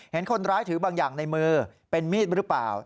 เห็นคนร้ายถือบางอย่างในมือเป็นมีดหรือเปล่า